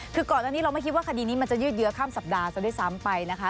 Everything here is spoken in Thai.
คือก่อนอันนี้เราไม่คิดว่าคดีนี้มันจะยืดเยอะข้ามสัปดาห์ซะด้วยซ้ำไปนะคะ